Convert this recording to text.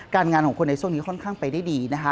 งานของคนในช่วงนี้ค่อนข้างไปได้ดีนะคะ